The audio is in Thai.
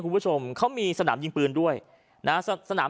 คุณผู้ชมเขามีสนามยิงปืนด้วยนะฮะสนาม